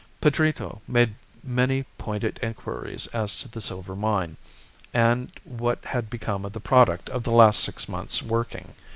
Pedrito made many pointed inquiries as to the silver mine, and what had become of the product of the last six months' working.